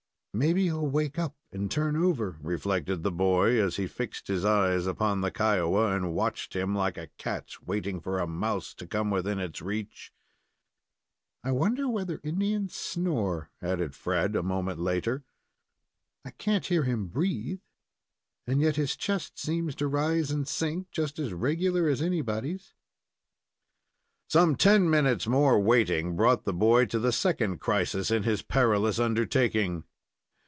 "Maybe he'll wake up and turn over," reflected the boy, as he fixed his eyes upon the Kiowa and watched him, like a cat waiting for a mouse to come within its reach. "I wonder whether Indians snore," added Fred, a moment later. "I can't hear him breathe, and yet his chest seems to rise and sink, just as regular as anybody's." Some ten minutes' more waiting brought the boy to the second crisis in his perilous undertaking.